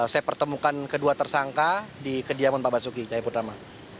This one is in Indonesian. saya pertemukan kedua tersangka di kediaman pak basuki cahayapurnama